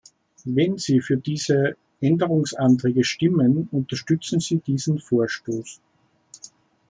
Wenn Sie für diese Änderungsanträge stimmen, unterstützen Sie diesen Vorstoß.